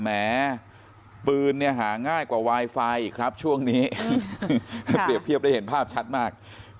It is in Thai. แหมปืนเนี่ยหาง่ายกว่าไวไฟครับช่วงนี้เพรียบได้เห็นภาพชัดมาก